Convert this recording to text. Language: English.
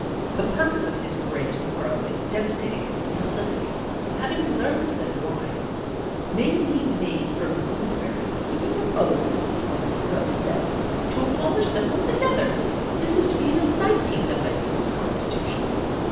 "The purpose of his parade to morrow is devastating in its simplicity. Having learned that wine may be made from gooseberries, he proposes (as a first step) to abolish them altogether. This is to be the Nineteenth Amendment to the Constitution.